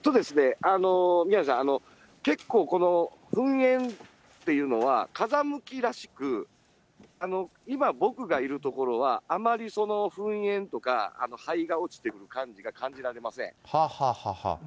宮根さん、結構この噴煙っていうのは、風向きらしく、今、僕がいる所はあまり噴煙とか、灰が落ちてくる感じが感じられません。